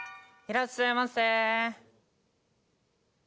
いらっしゃいませ！